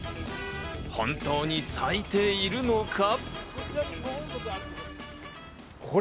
本当に咲いているのか？